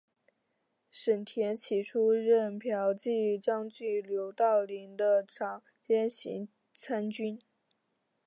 申恬起初任骠骑将军刘道邻的长兼行参军。